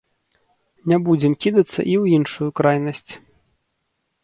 Не будзем кідацца і ў іншую крайнасць.